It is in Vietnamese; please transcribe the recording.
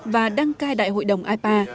và đăng cai đại hội đồng ipa